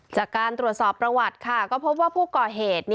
จากการตรวจสอบประวัติค่ะก็พบว่าผู้ก่อเหตุ